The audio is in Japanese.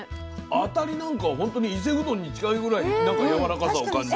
あたりなんかはほんとに伊勢うどんに近いぐらい何かやわらかさを感じる。